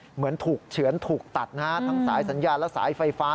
เหมือนถูกเฉือนถูกตัดนะฮะทั้งสายสัญญาณและสายไฟฟ้า